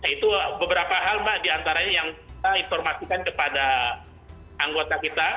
itu beberapa hal mbak diantaranya yang kita informasikan kepada anggota kita